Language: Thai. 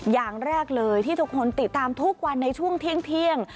อย่างแรกเลยที่ทุกคนติดตามทุกวันในช่วงเที่ยง